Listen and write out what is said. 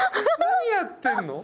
何やってんの？